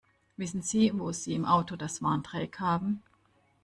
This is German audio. Wissen Sie, wo Sie im Auto das Warndreieck haben?